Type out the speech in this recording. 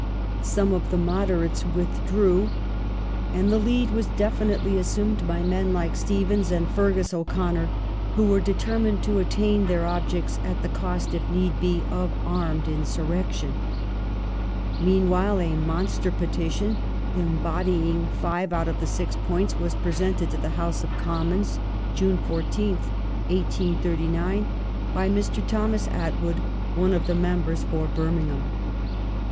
Some of the " moderates " withdrew, and the lead was definitely assumed by men like Stephens and Feargus O'Connor, who were determined to attain their objects at the cost, if need were, of armed insurrection. Meanwhile, a monster petition, embodying five out of the six points, was presented to the House of Commons (June 14th, 1839) by Mr. Thomas Attwood, one of the membei*s for Birmingham.